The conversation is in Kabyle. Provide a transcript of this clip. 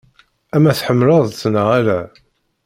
Ama tḥemmleḍ-t neɣ ala.